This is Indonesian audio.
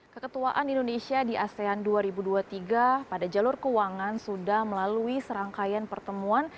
keketuaan indonesia di asean dua ribu dua puluh tiga pada jalur keuangan sudah melalui serangkaian pertemuan